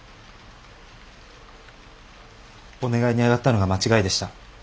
お願いに上がったのが間違いでした。